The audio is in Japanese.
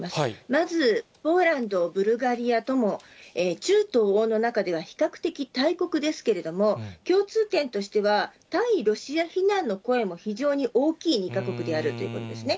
まずポーランド、ブルガリアとも、中東欧の中では比較的大国ですけれども、共通点としては、対ロシア非難の声も非常に大きい２か国であるということですね。